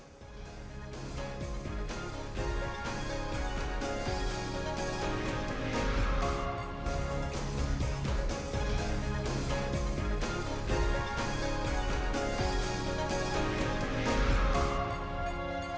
anda masih bersama indonesia forward